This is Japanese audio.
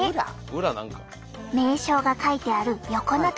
名称が書いてある横の所。